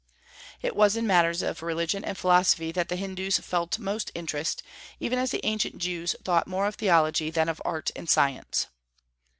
It was in matters of religion and philosophy that the Hindus felt most interest, even as the ancient Jews thought more of theology than of art and science.